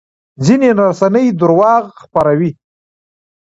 ځینې رسنۍ درواغ خپروي.